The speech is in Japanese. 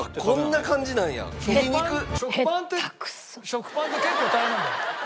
食パンって結構大変なんだよ。